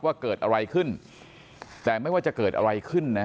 ว่าเกิดอะไรขึ้นแต่ไม่ว่าจะเกิดอะไรขึ้นนะ